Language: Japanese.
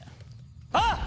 あっ！